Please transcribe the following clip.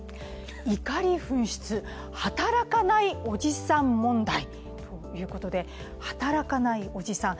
「怒り噴出働かないおじさん問題」ということで働かないおじさん